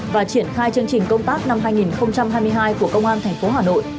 và triển khai chương trình công tác năm hai nghìn hai mươi hai của công an tp hà nội